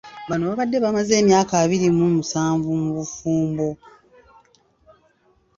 Bano babadde bamaze emyaka abiri mu musanvu mu bufumbo .